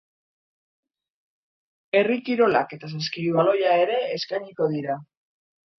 Herri kirolak eta saskibaloia ere eskainiko dira.